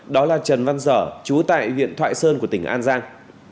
đó là trần văn dở chú tại huyện thoại sơn của tỉnh an giang